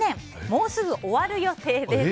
もうすぐ終わる予定です。